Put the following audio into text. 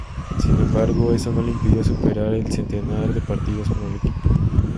Sin embargo, eso no le impidió superar el centenar de partidos con el equipo.